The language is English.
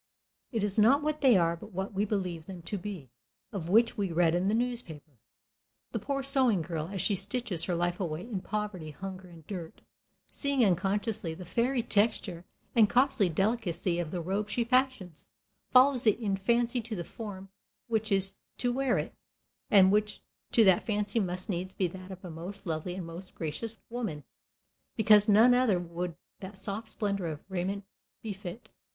It is not what they are, but what we believe them to be, of which we read in the newspaper. The poor sewing girl, as she stitches her life away "in poverty, hunger, and dirt," seeing unconsciously the fairy texture and costly delicacy of the robe she fashions, follows it in fancy to the form which is to wear it, and which to that fancy must needs be that of a most lovely and most gracious woman, because none other would that soft splendor of raiment befit.